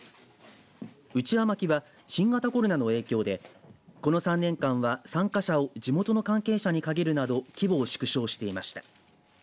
うちわまきは新型コロナの影響でこの３年間は参加者を地元の関係者に限るなど規模を縮小していました。